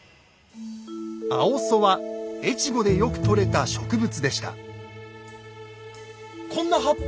「青苧」は越後でよく採れた植物でした。